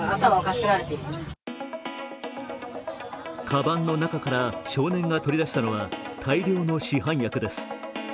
かばんの中から少年が取りだしたのは大量の市販薬です。